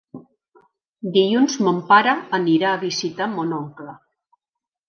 Dilluns mon pare anirà a visitar mon oncle.